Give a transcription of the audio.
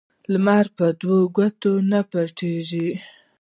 متل دی: لمر په دوو ګوتو نه پټېږي.